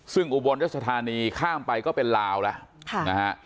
ซึ่งอุบลรัชธานีข้ามไปก็เป็นลาวแล้วนะฮะ